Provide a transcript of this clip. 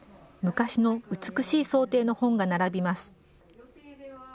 昔の美しい装丁の本が並びます。